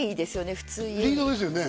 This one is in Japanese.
普通家にリードですよね？